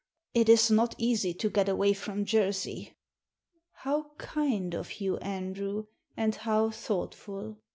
It is not easy to get away from Jersey." " How kind of you, Andrew, and how thoughtful